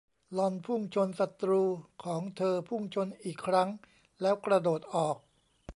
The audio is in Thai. ลอนพุ่งชนศัตรูของเธอพุ่งชนอีกครั้งแล้วกระโดดออก